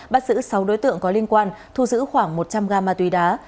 bắt giữ sáu đối tượng có liên quan thu giữ khoảng một trăm linh g ma túy đá